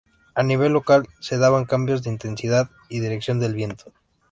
A nivel local, se daban cambios de intensidad y dirección del viento.